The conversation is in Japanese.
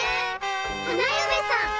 花嫁さん。